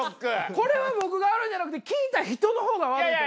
これは僕が悪いんじゃなくて聞いた人のほうが悪いと思います。